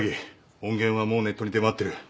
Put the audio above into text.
音源はもうネットに出回ってる。